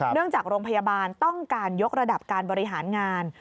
จากโรงพยาบาลต้องการยกระดับการบริหารงาน